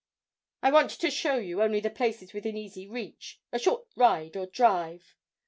'I want to show you only the places within easy reach a short ride or drive.'